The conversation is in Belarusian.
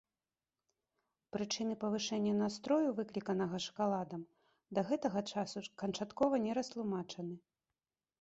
Прычыны павышэння настрою, выкліканага шакаладам, да гэтага часу канчаткова не растлумачаны.